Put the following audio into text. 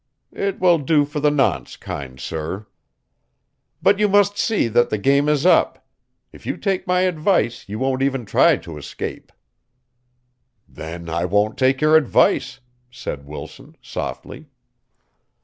"It will do for the nonce, kind sir." "But you must see that the game is up. If you take my advice you won't even try to escape." "Then I won't take your advice," said Wilson, softly.